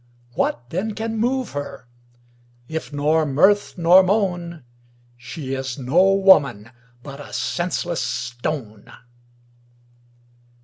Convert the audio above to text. What then can move her? if not mirth nor moan, She is no woman, but senseless stone.